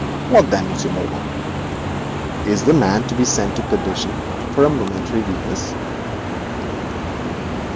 What then, Monsieur Valmont? Is the man to be sent to perdition for a momentary weakness?'